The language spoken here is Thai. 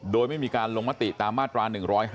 โดยไม่มีการลงมติตามมาตรา๑๕